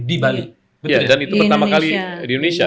di bali betul ya